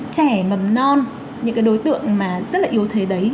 trẻ mầm non những cái đối tượng mà rất là yếu thế đấy